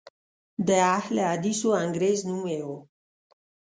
د اهل حدیث وانګریز نوم یې و.